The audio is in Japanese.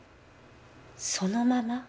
そのまま？